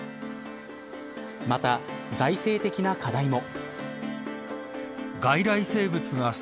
また、財政的な課題も。